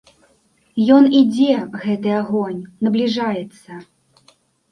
Ён ідзе, гэты агонь, набліжаецца.